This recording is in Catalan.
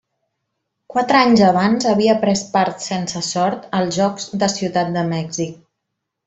Quatre anys abans havia pres part, sense sort, als Jocs de Ciutat de Mèxic.